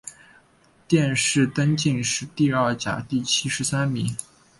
殿试登进士第二甲第七十三名。